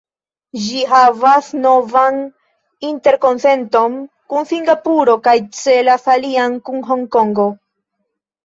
Ĝi havas novan interkonsenton kun Singapuro, kaj celas alian kun Honkongo.